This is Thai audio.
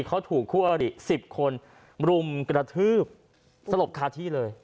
เขาถูกคู่อริ๑๐คนรุมกระทืบสลบคาที่เลย